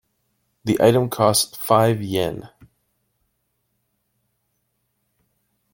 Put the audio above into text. The item costs five Yen.